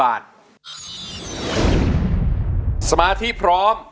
เพลงที่๒มาเลยครับ